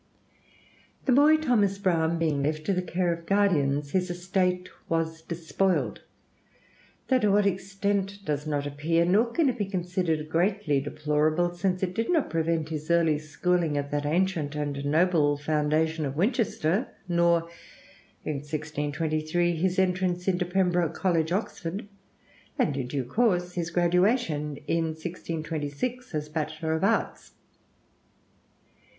The boy Thomas Browne being left to the care of guardians, his estate was despoiled, though to what extent does not appear; nor can it be considered greatly deplorable, since it did not prevent his early schooling at that ancient and noble foundation of Winchester, nor in 1623 his entrance into Pembroke College, Oxford, and in due course his graduation in 1626 as bachelor of arts.